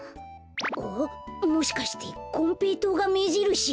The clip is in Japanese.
あっもしかしてこんぺいとうがめじるし？